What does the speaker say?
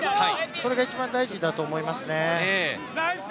それが一番大事だと思いますね。